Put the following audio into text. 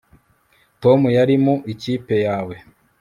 tom yari mu ikipe yawe